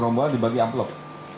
rombol dibagi amplop